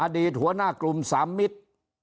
อดีตหัวหน้ากลุ่ม๓มิตร